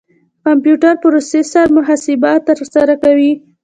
د کمپیوټر پروسیسر محاسبات ترسره کوي.